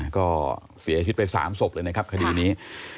ก็เสียชีวิตไป๓ศพเลยนะครับคดีนี้